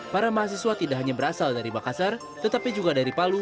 para mahasiswa tidak hanya berasal dari makassar tetapi juga dari palu